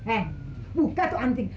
eh buka tuh anting